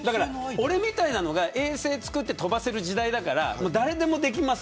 俺みたいなのが衛星を作って飛ばせる時代だから誰でもできます。